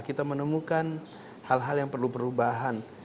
kita menemukan hal hal yang perlu perubahan